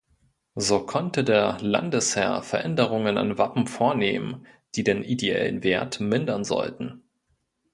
So konnte der Landesherr Veränderungen an Wappen vornehmen, die den ideellen Wert mindern sollten.